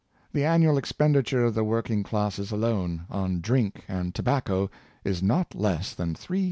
The annual expenditure of the working classes alone, on drink and tobacco, is not less than $300,000,000.